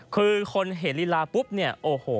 คือคนเห็นลีลาปุ๊บเนี่ยโอ้โห